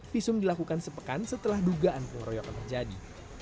visum dilakukan sepekan setelah dugaan pengeroyokan terjadi